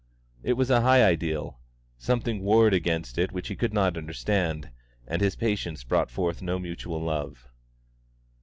It was a high ideal; something warred against it which he could not understand, and his patience brought forth no mutual love.